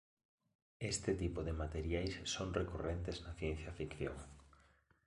Este tipo de materiais son recorrentes na ciencia ficción.